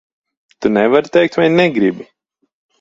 Tu nevari teikt vai negribi?